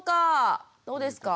どうですか？